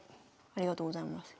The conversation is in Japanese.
ありがとうございます。